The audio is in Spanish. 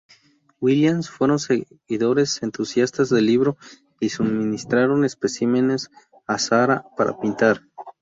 Williams fueron seguidores entusiastas del libro; y, suministraron especímenes a Sarah para pintar.